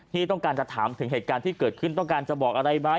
ที่ต้องการจะถามถึงเหตุการณ์ที่เกิดขึ้นต้องการจะบอกอะไรไหม